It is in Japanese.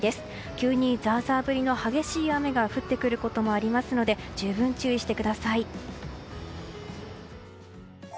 急にザーザー降りの激しい雨が降ってくることもありますので十分注意してください。